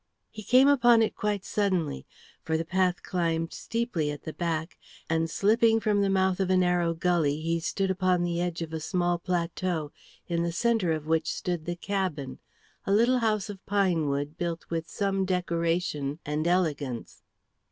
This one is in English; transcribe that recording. He came upon it quite suddenly. For the path climbed steeply at the back, and slipping from the mouth of a narrow gully he stood upon the edge of a small plateau in the centre of which stood the cabin, a little house of pinewood built with some decoration and elegance.